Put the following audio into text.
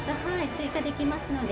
追加できますので。